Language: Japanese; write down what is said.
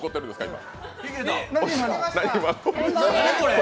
今。